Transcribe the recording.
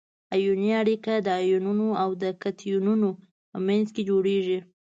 ایوني اړیکه د انیونونو او کتیونونو په منځ کې جوړیږي.